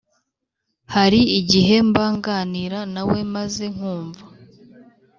Hari igihe mba nganira na we maze nkumva